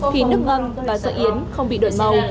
khi nước ngâm và sợi yến không bị đổi màu